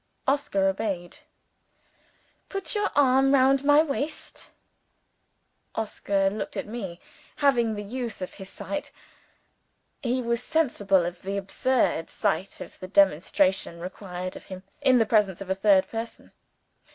Oscar obeyed. "Put your arm round my waist." Oscar looked at me. Having the use of his sight, he was sensible of the absurd side of the demonstration required of him in the presence of a third person.